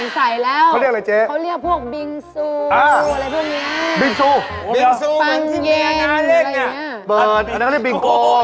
เจ้าไหน